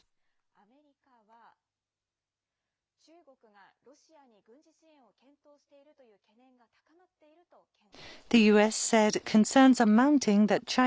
アメリカは、中国がロシアに軍事支援を検討しているという懸念が高まっているとけん制。